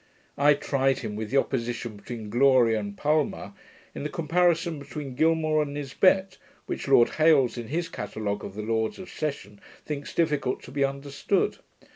I tried him with the opposition between gloria and palma, in the comparison between Gilmour and Nisbet, which Lord Hailes, in his Catalogue of the Lords of Session, thinks difficult to be understood.